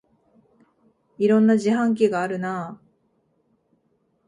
いろんな自販機があるなあ